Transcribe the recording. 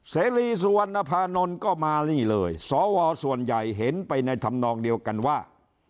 เสรีสุวรรณภานนท์ก็มานี่เลยสวส่วนใหญ่เห็นไปในธรรมนองเดียวกันว่า